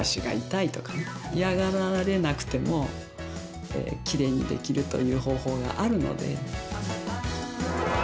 嫌がられなくてもきれいにできるという方法があるので。